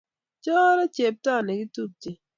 Choro chepto nekitupche